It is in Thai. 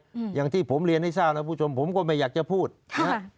อย่างที่ผมเรียนให้ทราบนะผู้ชมผมก็ไม่อยากจะพูดนะฮะ